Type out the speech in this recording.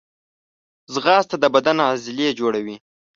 منډه د بدن عضلې جوړوي